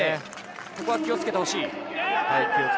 ここは気を付けてほしい。